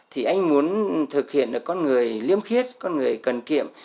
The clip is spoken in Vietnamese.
thì anh muốn thực hiện được con người liêm khiết con người cần kiệm